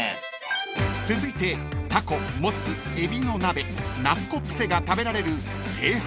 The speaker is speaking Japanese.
［続いてタコモツエビの鍋ナッコプセが食べられる］